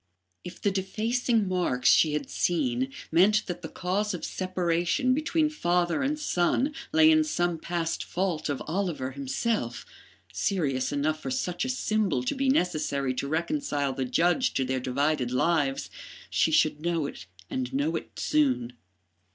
If the defacing marks she had seen meant that the cause of separation between father and son lay in some past fault of Oliver himself, serious enough for such a symbol to be necessary to reconcile the judge to their divided lives, she should know it and know it soon.